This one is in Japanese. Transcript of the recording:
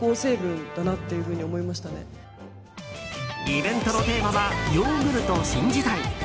イベントのテーマはヨーグルト新時代。